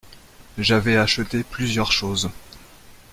J’avais acheté plusieurs choses.